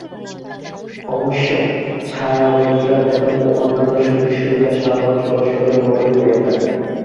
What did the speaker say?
অবশ্য, ছায়া মন্ত্রীরা বেতন ও অন্যান্য সুযোগ সুবিধা সাধারণ সদস্যদের মতই পেয়ে থাকেন।